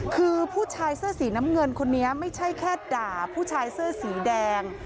คือผู้ชายเสื้อสีน้ำเงินคนนี้ไม่ใช่แค่ด่าผู้ชายเสื้อสีแดง